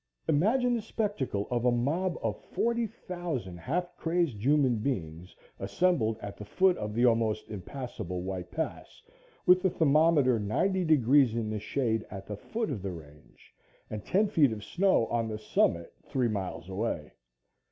Imagine the spectacle of a mob of 40,000 half crazed human beings assembled at the foot of the almost impassable White Pass, with the thermometer 90 degrees in the shade at the foot of the range, and ten feet of snow on the Summit, three miles away.